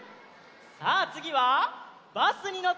さあつぎは「バスにのって」であそぼう！